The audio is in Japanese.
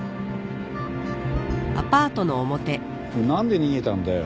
なんで逃げたんだよ？